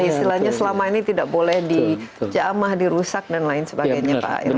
istilahnya selama ini tidak boleh dijamah dirusak dan lain sebagainya pak irman